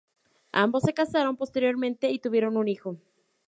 Ambos se casaron posteriormente y tuvieron un hijo.